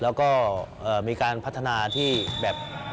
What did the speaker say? แล้วก็มีการพัฒนาที่แบบ